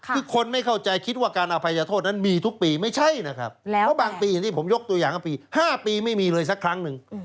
คือคนไม่เข้าใจคิดว่าการอภัยโทษนั้นมีทุกปีไม่ใช่นะครับเพราะบางปีอย่างที่ผมยกตัวอย่างกันปี๕ปีไม่มีเลยสักครั้งหนึ่ง